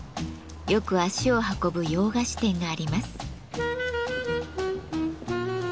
よく足を運ぶ洋菓子店があります。